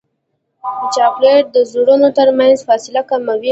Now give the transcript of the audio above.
چاکلېټ د زړونو ترمنځ فاصله کموي.